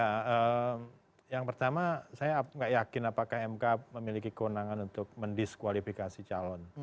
ya yang pertama saya nggak yakin apakah mk memiliki kewenangan untuk mendiskualifikasi calon